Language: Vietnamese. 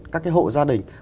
các cái hộ gia đình